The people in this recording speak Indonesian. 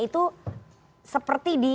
itu seperti di